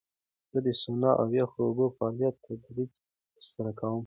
زه د سونا او یخو اوبو فعالیت تدریجي ترسره کوم.